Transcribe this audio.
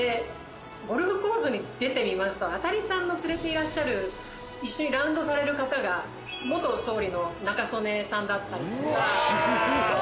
ゴルフコースに出てみますと浅利さんの連れていらっしゃる一緒にラウンドされる方が総理の中曽根さんだったりとか。